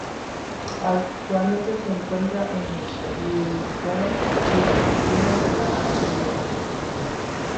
Actualmente se encuentran en uso o fueron distribuidas la siguientes